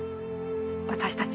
私たち。